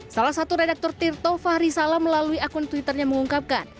salah satu redaktor tirto fahrisala melalui akun twitternya mengungkapkan